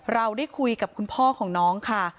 เราได้คุยกับคุณพ่อของน้องค่ะ